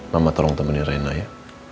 mama tolong temani reina ya